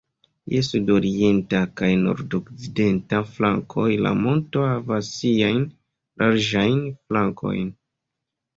Je sudorienta kaj nordokcidenta flankoj la monto havas siajn larĝajn flankojn.